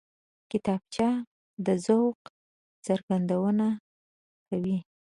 کتابچه د ذوق څرګندونه کوي